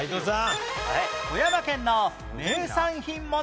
富山県の名産品問題